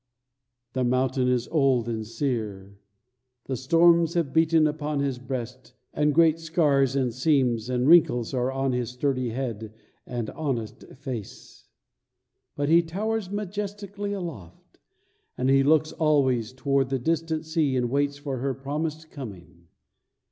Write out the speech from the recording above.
The mountain is old and sear; the storms have beaten upon his breast, and great scars and seams and wrinkles are on his sturdy head and honest face But he towers majestically aloft, and he looks always toward the distant sea and waits for her promised coming.